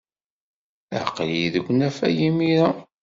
Aql-iyi deg unafag imir-a.